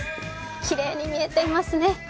きれいに見えていますね。